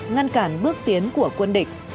ngăn cản bước tiến của quân địch